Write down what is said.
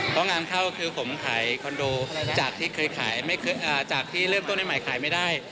เพราะงานเข้าคือผมขายคอนโดจากที่เคยขายจากที่เริ่มต้นใหม่ขายไม่ได้